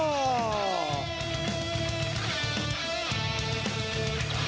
โอ้โอ้โอ้